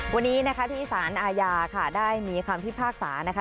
วันนี้นะคะที่สารอาญาค่ะได้มีคำพิพากษานะคะ